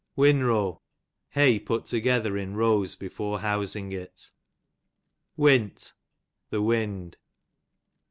Winrow, hay put together in rows before housing it. Wint, the wind.